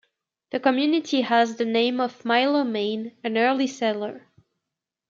The community has the name of Milo Main, an early settler.